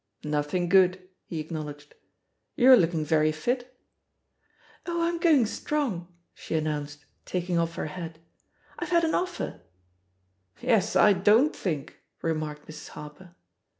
"Nothing good," he acknowledged* *Tou*re looking very fit," "Oh, I'm going strong," she announced, tak* ing off her hat. "I've had an offer 1" "Yes, I don^'t think I" remarked Mrs. Harper.